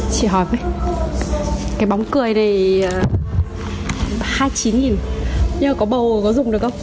chị hỏi cái bóng cười này hai mươi chín nghìn nhưng có bầu có dùng được không